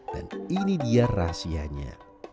dan ini dia rahasianya